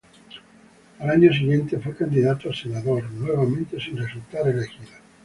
Al año siguiente, fue candidato a senador, nuevamente sin resultar elegido.